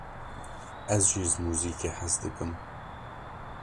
Ez jî ji muzîkê hez dikim.